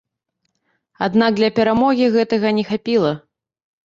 Аднак для перамогі гэтага не хапіла.